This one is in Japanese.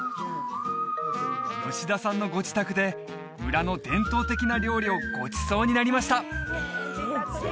吉田さんのご自宅で村の伝統的な料理をごちそうになりました